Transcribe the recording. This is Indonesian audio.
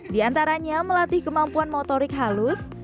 di antaranya melatih kemampuan motorik halus